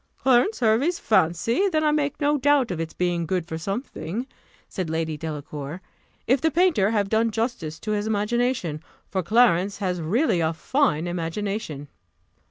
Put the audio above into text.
"Clarence Hervey's fancy! Then I make no doubt of its being good for something," said Lady Delacour, "if the painter have done justice to his imagination; for Clarence has really a fine imagination."